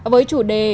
với chủ đề